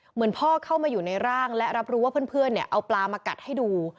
เหมือนพ่อเข้ามาอยู่ในร่างและรับรู้ว่าเพื่อนเอาปลามากัดให้ดู